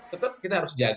tetap kita harus jalan